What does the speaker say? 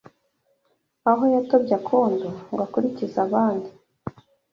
Aho yatobye akondo Ngo akulikize abandi